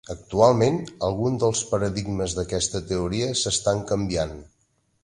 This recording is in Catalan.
Actualment alguns dels paradigmes d'aquesta teoria s'estan canviant.